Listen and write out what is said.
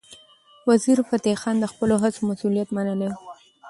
وزیرفتح خان د خپلو هڅو مسؤلیت منلی و.